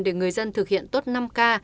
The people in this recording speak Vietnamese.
để người dân thực hiện tốt năm k